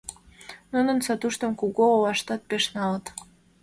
Нунын сатуштым кугу олаштат пеш налыт.